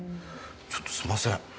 ちょっとすいません。